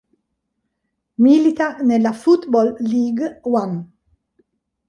Milita nella Football League One.